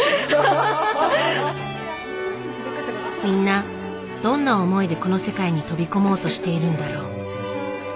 みんなどんな思いでこの世界に飛び込もうとしているんだろう。